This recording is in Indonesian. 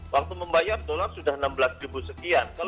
waktu membayar dolar sudah enam belas ribu sekian